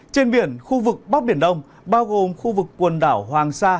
trên biển khu vực bắc biển đông bao gồm khu vực quần đảo hoàng sa